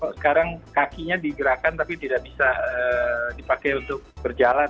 sekarang kakinya digerakkan tapi tidak bisa dipakai untuk berjalan